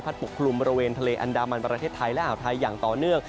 ปกคลุมบริเวณทะเลอันดามันประเทศไทยและอ่าวไทยอย่างต่อเนื่อง